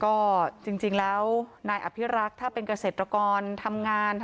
ก็จริงแล้วนายอภิรักษ์ถ้าเป็นเกษตรกรทำงาน